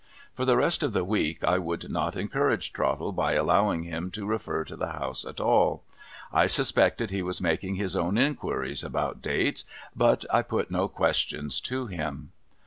For the rest of the week I would not encourage Trottle by allowing him to refer to the House at all. I suspected he was making his own inquiries about dates, but I put no questions to him.